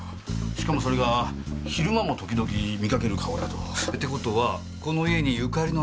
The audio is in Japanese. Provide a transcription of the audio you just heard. しかもそれが昼間も時々見かける顔だと。って事はこの家にゆかりのある人間ですか？